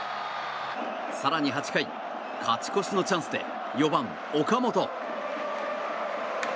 更に、８回勝ち越しのチャンスで４番、岡本。